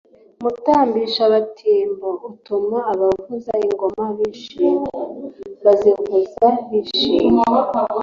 mutambisha batimbo: utuma abavuza ingoma bishima, bazivuza bishimye